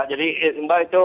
jadi mbak itu